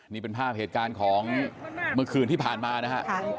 นี่เป็นภาพเหตุการณ์ของเมื่อคืนที่ผ่านมานะฮะ